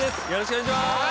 よろしくお願いします